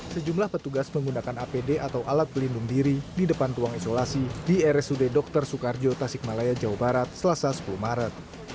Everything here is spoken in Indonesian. sejumlah petugas menggunakan apd atau alat pelindung diri di depan ruang isolasi di rsud dr soekarjo tasikmalaya jawa barat selasa sepuluh maret